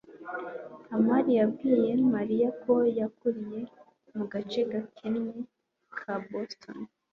kamali yabwiye mariya ko yakuriye mu gace gakennye ka boston